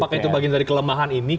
apakah itu bagian dari kelemahan ini